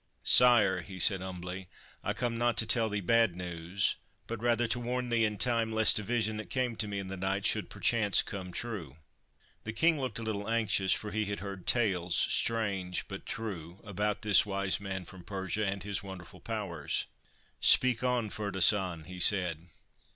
' Sire,' he said humbly, ' I come not to tell thee bad news, but rather to warn thee in time, lest a vision that came to me in the night should perchance come true.' The King looked a little anxious, for he had heard tales, strange but true, about this wise man from Persia and his wonderful powers. ' Speak on, Ferdasan/ he said.